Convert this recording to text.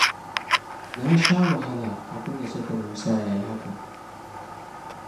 Nasaha wahala kafin na saka Musa yayi hakan.